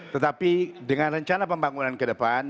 tetapi dengan rencana pembangunan ke depan